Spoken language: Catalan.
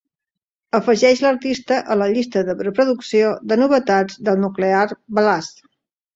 Afegeix l'artista a la llista de reproducció de novetats de Nuclear Blast.